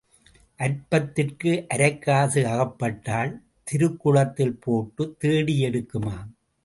அற்பத்திற்கு அரைக்காசு அகப்பட்டால் திருக்குளத்தில் போட்டுத் தேடி எடுக்குமாம்.